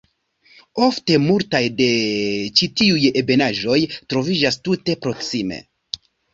Ofte multaj de ĉi tiuj ebenaĵoj troviĝas tute proksime.